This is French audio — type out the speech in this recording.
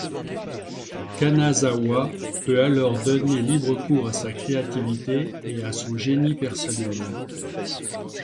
Kanazawa peut alors donner libre cours à sa créativité et à son génie personnel.